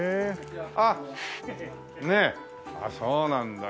あっねえそうなんだ。